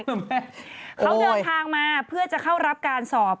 เขาเดินทางมาเพื่อจะเข้ารับการสอบ